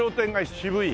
渋い！